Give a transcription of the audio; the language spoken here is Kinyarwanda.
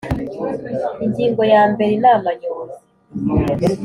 Ingingo ya mbere Inama Nyobozi